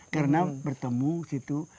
karena bertemu situ